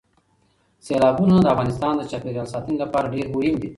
سیلابونه د افغانستان د چاپیریال ساتنې لپاره ډېر مهم دي.